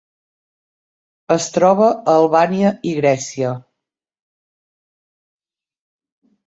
Es troba a Albània i Grècia.